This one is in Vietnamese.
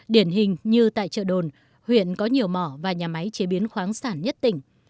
điển hình như tại chợ đồn huyện có nhiều mỏ và nhà máy chế biến khoáng sản nhất tỉnh